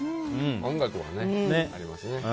音楽はね、ありますね。